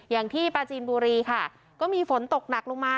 อย่างที่ปลาจีนบุรีค่ะก็มีฝนตกหนักลงมา